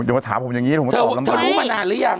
อย่ามาถามผมอย่างนี้เธอรู้มานานหรือยัง